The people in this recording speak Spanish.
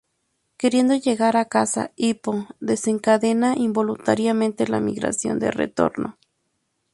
Queriendo llegar a casa, Hipo desencadena involuntariamente la migración de retorno.